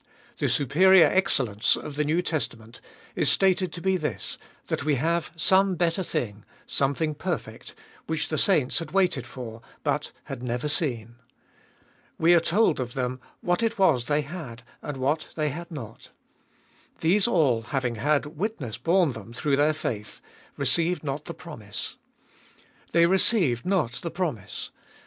The superior excellence of the New Testament is stated to be this, that we have some better thing, something perfect, which the saints had waited for but had never seen. We are told of them what it was that they had, and what they had not. These all, having had witness borne them through their faith, received not the promise. They received not the promise.